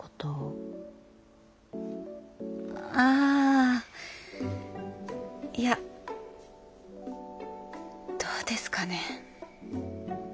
ああいやどうですかねぇ。